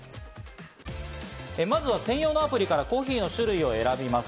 まずは専用のアプリからコーヒーの種類を選びます。